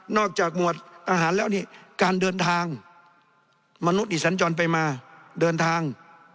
จากหมวดอาหารแล้วนี่การเดินทางมนุษย์ที่สัญจรไปมาเดินทาง